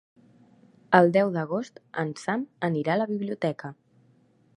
El deu d'agost en Sam anirà a la biblioteca.